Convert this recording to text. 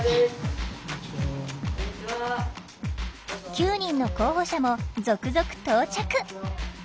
９人の候補者も続々到着。